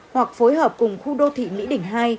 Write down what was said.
hoặc phối hợp cùng khu đô thị mỹ đình hai